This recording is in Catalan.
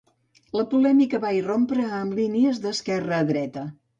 La polèmica va irrompre amb línies d'esquerra-dreta.